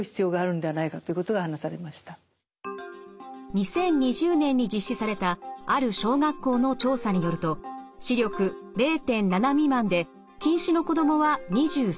２０２０年に実施されたある小学校の調査によると視力０．７未満で近視の子どもは２３％でした。